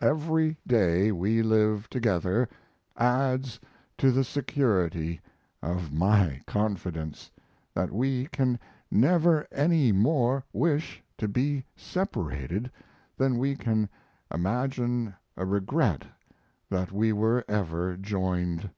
Every day we live together adds to the security of my confidence that we can never any more wish to be separated than we can imagine a regret that we were ever joined.